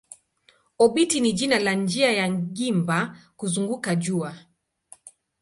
Obiti ni jina la njia ya gimba kuzunguka jua.